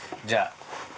じゃあ。